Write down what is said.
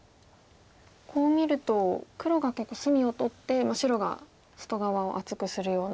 こう見ると黒が結構隅を取って白が外側を厚くするような。